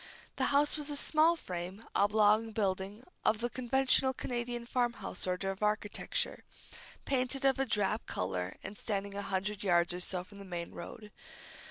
The house was a small frame, oblong building, of the conventional Canadian farm house order of architecture, painted of a drab color and standing a hundred yards or so from the main road.